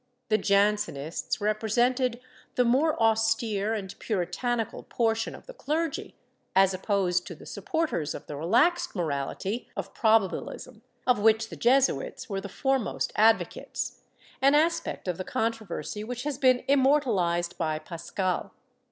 The Jansenists represented the more austere and puritanical portion of the clergy, as opposed to the supporters of the relaxed morality of Probabil ism, of which the Jesuits were the foremost advocates — an aspect of the controversy which has been immortalized by Pascal.